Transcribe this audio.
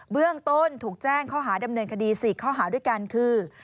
เบื้องต้นถูกแจ้งข้อหาดำเนินคดี๔ข้อหาด้วยกันคือ